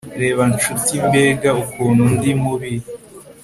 Reba nshuti mbega ukuntu ndi mubi